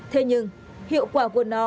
thế nhưng hiệu quả của nó